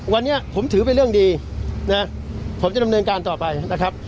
วันนี้ผมถือเป็นเรื่องดีนะผมจะดำเนินการต่อไปนะครับ